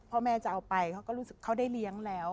พ่อแม่จะเอาไปเขาก็รู้สึกเขาได้เลี้ยงแล้ว